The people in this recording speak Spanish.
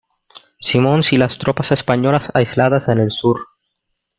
Simmons y las tropas españolas aisladas en el sur.